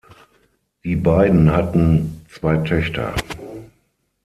Die beiden hatten zwei Töchter.